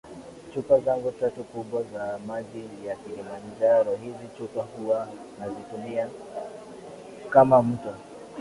chupa zangu tatu kubwa za maji ya Kilimanjaro Hizi chupa huwa nazitumia kama mto